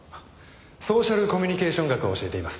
ソーシャルコミュニケーション学を教えています。